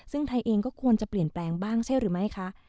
ซึ่งไทยเองก็ควรจะเปลี่ยนแปลงบ้างใช่หรือไม่คะ